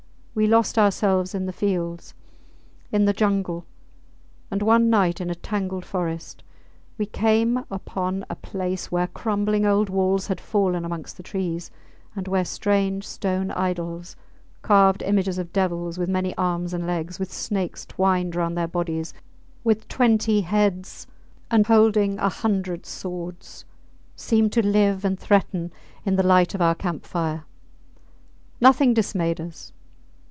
We lost ourselves in the fields, in the jungle; and one night, in a tangled forest, we came upon a place where crumbling old walls had fallen amongst the trees, and where strange stone idols carved images of devils with many arms and legs, with snakes twined round their bodies, with twenty heads and holding a hundred swords seemed to live and threaten in the light of our camp fire. Nothing dismayed us.